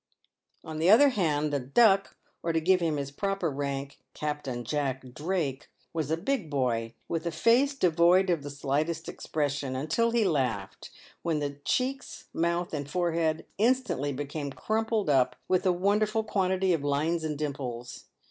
On the other hand, The Duck, or to give him his proper rank, Captain Jack Drake, was a big boy, with a face devoid of the slightest expression, until he laughed, when the cheeks, mouth, and forehead instantly became crumpled up with a wonderful quantity of lines and dimples.